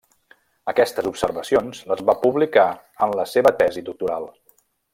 Aquestes observacions les va publicar en la seva tesi doctoral.